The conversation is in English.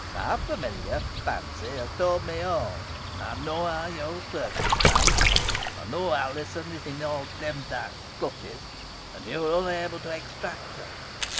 My familiar, Fancy, has told me all. I know how you are circumstanced. I know Alizon is in old Demdike's clutches, and you are unable to extricate her.